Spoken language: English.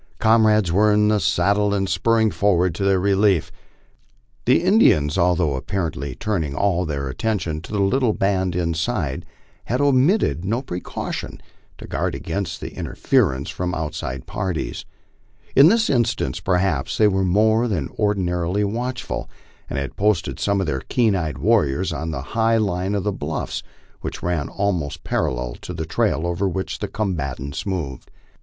Comrades were in the saddle and spurring forward to their relief. The In dians, although apparently turning all their attention to the little band inside, had omitted no precaution to guard against interference from outside partiesi In this instance, perhaps, they were more than ordinarily watchful, and had posted some of their keen eyed warriors on the high line of bluffs which ran al most parallel to the trail over which the combatants moved.